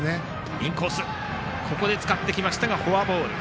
インコースを使ってきたがフォアボール。